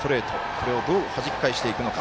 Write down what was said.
これをどうはじき返していくのか。